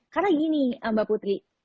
karena gini mbak putri